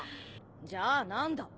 じゃあ何だ？